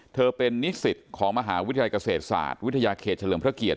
เธอเป็นนิสิตของมหาวิทยาลัยเกษตรศาสตร์วิทยาเขตเฉลิมพระเกียรติ